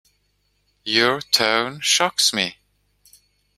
Your tone shocks me.